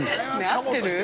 合ってる？